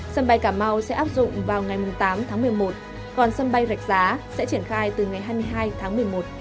sân bay cà mau sẽ áp dụng vào ngày tám tháng một mươi một còn sân bay rạch giá sẽ triển khai từ ngày hai mươi hai tháng một mươi một